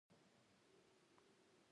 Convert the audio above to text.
ځکه مو ماتې په نصیب شوه.